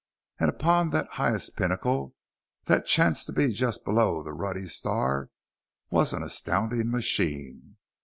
And upon that highest pinnacle, that chanced to be just below the ruddy star, was an astounding machine.